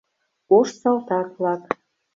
Ош салтак-влак.